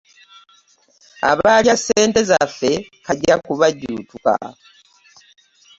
Abalya ssente zaffe kajja kubajjuutuka.